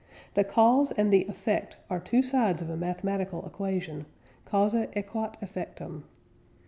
The "cause" and the "effect" are two sides of a mathematical equation (Causa aequat effectum).